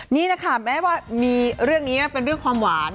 นี่แหละค่ะแม้ว่ามีเรื่องนี้นะเป็นเรื่องความหวาน